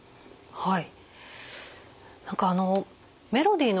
はい。